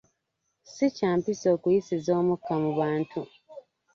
Si kya mpisa okuyisiza omukka mu bantu.